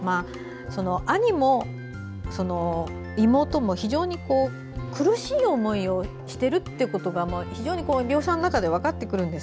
兄も妹も非常に苦しい思いをしているっていうことが非常に描写の中で分かってくるんです。